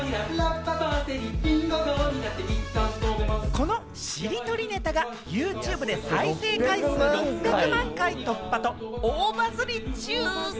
このしりとりネタがユーチューブで再生回数６００万回突破と、大バズり中。